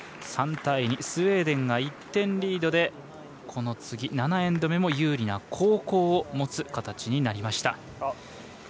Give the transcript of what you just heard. ３対２、スウェーデンが１点リードでこの次、７エンド目も有利な後攻を持つ形になりました。